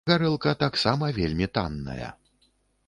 Гарэлка таксама вельмі танная.